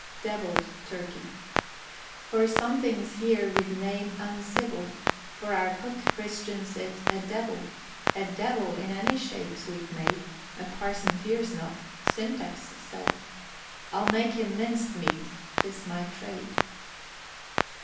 DEVILLED TURKEY. And something's here with name uncivil, For our cook christens it "A Devil," "A Devil, in any shape, sweet maid, A parson fears not," Syntax said; "I'll make him minced meat; 'tis my trade."